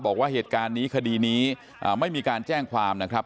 บอกว่าเหตุการณ์นี้คดีนี้ไม่มีการแจ้งความนะครับ